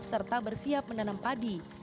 serta bersiap menanam padi